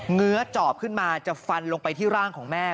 ื้อจอบขึ้นมาจะฟันลงไปที่ร่างของแม่